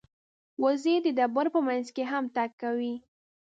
وزې د ډبرو په منځ کې هم تګ کوي